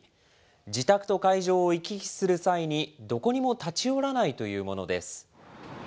自宅と会場を行き来する際に、どこにも立ち寄らないというものです。